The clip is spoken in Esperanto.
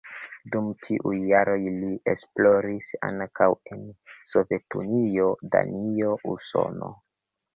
Dum tiuj jaroj li esploris ankaŭ en Sovetunio, Danio, Usono.